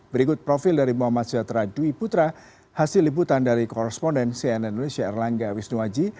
berikut profil dari muhammad jatra dwi putra hasil liputan dari koresponden cnn indonesia erlangga wisnuwaji